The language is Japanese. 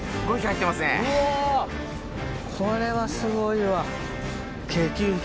うおこれはすごいわ。